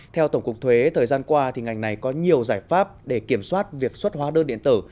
theo tổng cục thuế thời gian qua ngành này có nhiều giải pháp để kiểm soát việc xuất hóa đơn điện tử